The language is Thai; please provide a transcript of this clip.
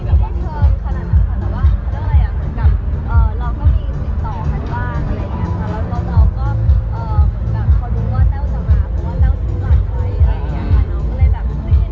แต่ว่าน้องเป็นคนแล้วก็อัญญาตให้เราเข้าไปหลังกับที่นี่